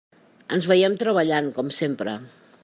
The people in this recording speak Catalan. Ens veiem treballant, com sempre.